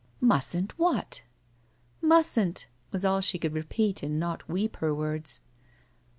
"Mustn't what?" "Mustn't," was all she could repeat and not weep her words.